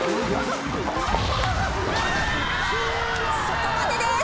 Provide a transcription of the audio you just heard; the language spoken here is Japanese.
そこまでです。